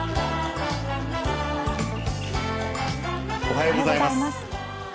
おはようございます。